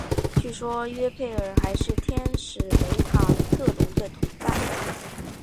据说约斐尔还是天使梅塔特隆的同伴。